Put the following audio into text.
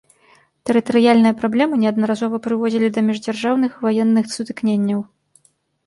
Тэрытарыяльныя праблемы неаднаразова прыводзілі да міждзяржаўных ваенных сутыкненняў.